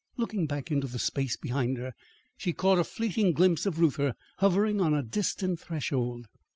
Looking back into the space behind her, she caught a fleeting glimpse of Reuther hovering on a distant threshold.